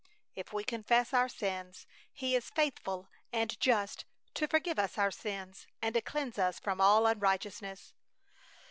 "If we confess our sins He is faithful and just to forgive us our sins and to cleanse us from all unrighteousness."